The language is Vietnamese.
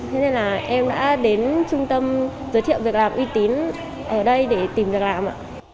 thế nên là em đã đến trung tâm giới thiệu việc làm uy tín ở đây để tìm việc làm ạ